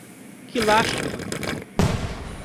Que lástima!